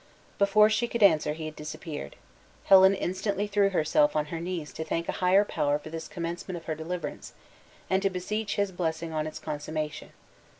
Before she could answer he had disappeared. Helen instantly threw herself on her knees to thank a higher power for this commencement of her deliverance, and to beseech His blessing on its consummation.